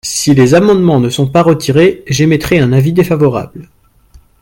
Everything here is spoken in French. Si les amendements ne sont pas retirés, j’émettrai un avis défavorable.